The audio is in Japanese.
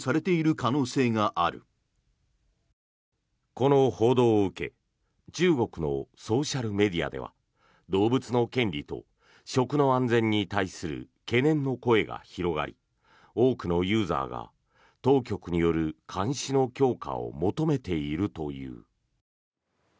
この報道を受け中国のソーシャルメディアでは動物の権利と食の安全に対する懸念の声が広がり多くのユーザーが当局による監視の強化を求めているという。